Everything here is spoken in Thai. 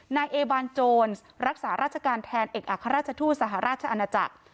นายเอบานโจรรักษาราชการแทนเอกอัครราชทูตสหราชอาณาจักร